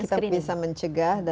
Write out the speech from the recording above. kita bisa mencegah